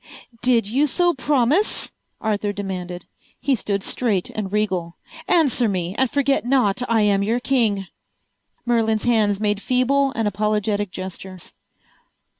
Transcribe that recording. "Did you so promise?" Arthur demanded. He stood straight and regal. "Answer me, and forget not I am your king." Merlin's hands made feeble and apologetic gestures.